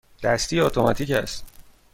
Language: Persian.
دستی یا اتوماتیک است؟